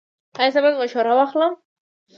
ایا زه باید مشوره واخلم؟